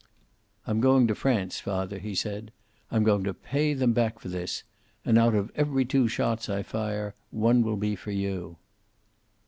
"I'm going to France, father," he said. "I'm going to pay them back for this. And out of every two shots I fire one will be for you."